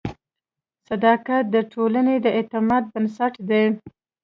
صداقت د ټولنې د اعتماد بنسټ دی.